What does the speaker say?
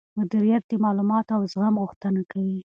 مديريت د معلوماتو او زغم غوښتنه کوي.